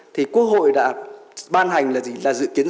thì quốc hội đã ban hành là dự kiến